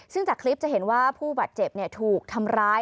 ซึ่งจากคลิปจะเห็นว่าผู้บาดเจ็บถูกทำร้าย